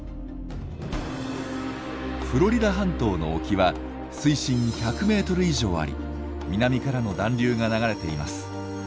フロリダ半島の沖は水深１００メートル以上あり南からの暖流が流れています。